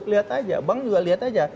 lihat saja bank juga lihat saja